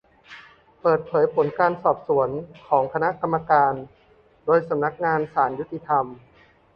เปิดเผยผลการสอบสวน ของคณะกรรมการโดยสำนักงานศาลยุติธรรม